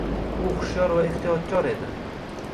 U hushyor va ehtiyotkor edi.